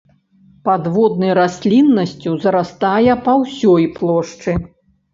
Падводнай расліннасцю зарастае па ўсёй плошчы.